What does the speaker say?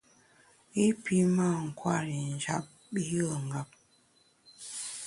I pi mâ nkwer i njap yùe ngap.